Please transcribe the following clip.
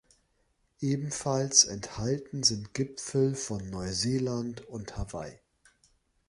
Ebenfalls enthalten sind Gipfel von Neuseeland und Hawaii.